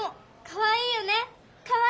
かわいいよね！